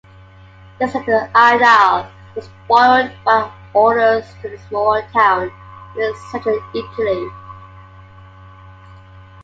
This little idyll was spoiled by orders to a small town in central Italy.